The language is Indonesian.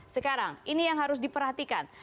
sekarang ini yang harus diperhatikan